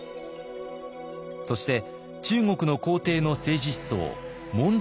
そして中国の皇帝の政治思想文章